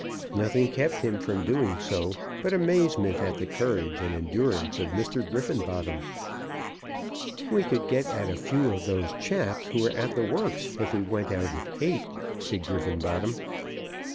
Nothing kept him from doing so but amazement at the courage and endurance of Mr. Griffenbottom. "We could get at a few of those chaps who were at the works, if we went out at eight," said Griffenbottom.